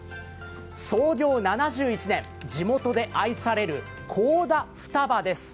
創業７１年、地元で愛される河田ふたばです。